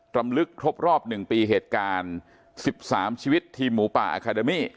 รำลึกครบรอบ๑ปีเหตุการณ์๑๓ชีวิตทีมหมูป่าอาคาเดมี่